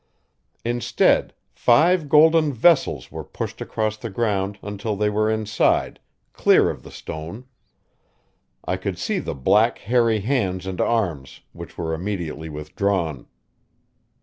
Instead, five golden vessels were pushed across the ground until they were inside, clear of the stone; I could see the black, hairy hands and arms, which were immediately withdrawn.